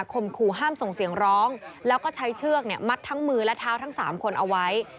ขู่ห้ามส่งเสียงร้องแล้วก็ใช้เชือกมัดทั้งมือและเท้าทั้ง๓คนเอาไว้